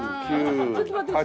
ああちょっと待って。